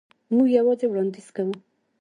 موږ یوازې وړاندیز کوو.